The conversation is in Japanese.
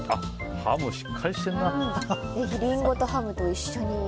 リンゴとハムと一緒に。